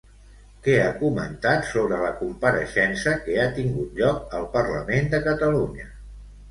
Què ha comentat sobre la compareixença que ha tingut lloc al Parlament de Catalunya?